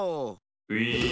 ウィーン。